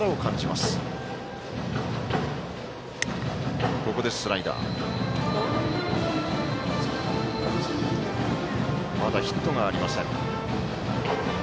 まだヒットがありません。